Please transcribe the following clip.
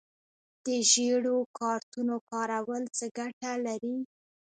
د ژیړو کارتونو کارول څه ګټه لري؟